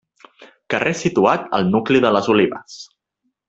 Carrer situat al nucli de les Olives.